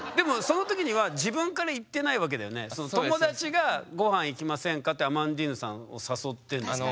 その友達が「御飯行きませんか？」ってアマンディーヌさんを誘ってんだよね？